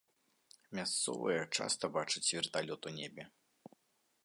Мясцовыя часта бачаць верталёт у небе.